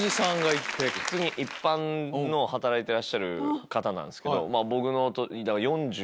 一般の働いてらっしゃる方なんですけど。